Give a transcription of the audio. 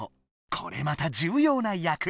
これまた重要な役。